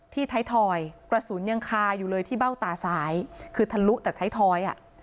ท้ายทอยกระสุนยังคาอยู่เลยที่เบ้าตาซ้ายคือทะลุจากท้ายท้อยอ่ะ